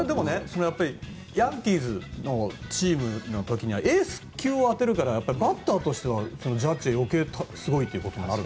ヤンキースのチームの時には、エース級を当てるから、バッターとしてはジャッジは余計すごいことも。